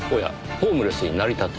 ホームレスになりたて？